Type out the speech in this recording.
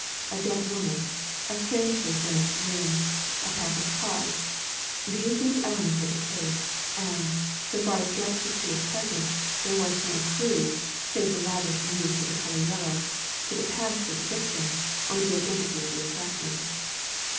A dead woman : a strangely furnished room : a pack of cards : these were the elements of the case, and, so far as Gebb could see at present, there was no clue — save the lavish use of the colour yellow — to the past of the victim, or the identity of the assassin.